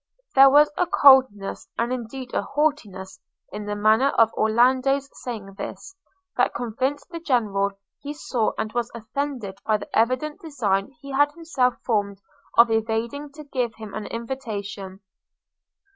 There was a coldness, and indeed a haughtiness, in the manner of Orlando's saying this, that convinced the General he saw and was offended by the evident design he had himself formed of evading to give him an invitation.